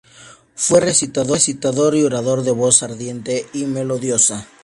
Fue recitador y orador de voz ardiente y melodiosa.